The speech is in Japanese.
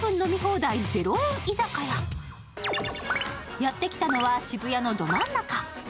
やってきたのは渋谷のど真ん中。